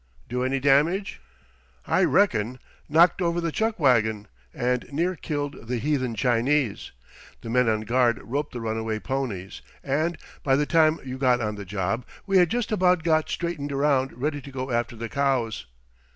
"Do any damage?" "I reckon. Knocked over the chuck wagon, and near killed the heathen Chinee. The men on guard roped the runaway ponies, and, by the time you got on the job, we had just about got straightened around ready to go after the cows."